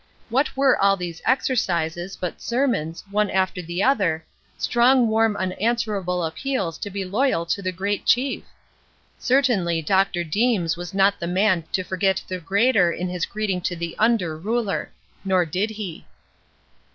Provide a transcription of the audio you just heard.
What were all these exercises, but sermons, one after the other, strong warm unanswerable appeals to be loyal to the Great Chief? Certainly Dr. Deems was not the man to forget the Greater in his greeting to the under ruler; nor did he.